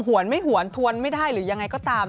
หวนไม่หวนทวนไม่ได้หรือยังไงก็ตาม